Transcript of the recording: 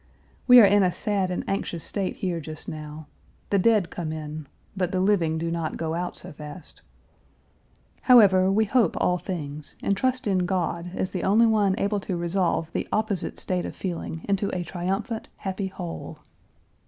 We are in a sad and anxious state here just now. The dead come in; but the living do not go out so fast. However, we hope all things and trust in God as the only one able to resolve the opposite state of feeling into Page 332 a triumphant, happy whole.